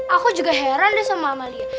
aku juga heran deh sama amalia